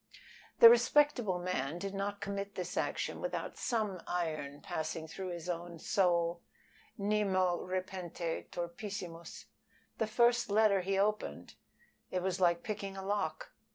The respectable man did not commit this action without some iron passing through his own soul Nemo repente turpissimus. The first letter he opened it was like picking a lock.